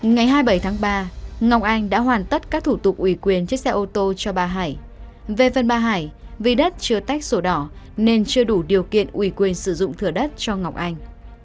ngày hai mươi bảy tháng ba ngọc anh đã hoàn tất các thủ tục ủy quyền chiếc xe ô tô cho bà hải về phần bà hải vì đất chưa tách sổ đỏ nên chưa đủ điều kiện ủy quyền sử dụng thửa đất cho ngọc anh